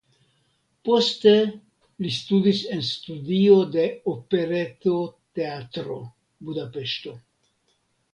Poste li studis en studio de Operetoteatro (Budapeŝto).